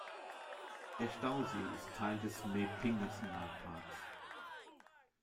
Der Stausee ist Teil des Mae-Ping-Nationalparks.